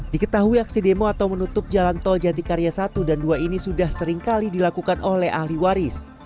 diketahui aksi demo atau menutup jalan tol jatikarya satu dan dua ini sudah seringkali dilakukan oleh ahli waris